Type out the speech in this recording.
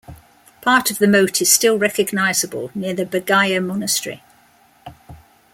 Part of the moat is still recognizable near the Bagaya Monastery.